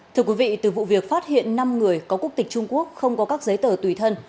thưa quý vị từ vụ việc phát hiện năm người có quốc tịch trung quốc không có các giấy tờ tùy thân